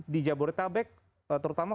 di jabodetabek terutama